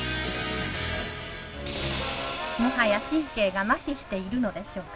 もはや神経がまひしているのでしょうか。